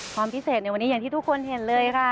ความพิเศษในวันนี้อย่างที่ทุกคนเห็นเลยค่ะ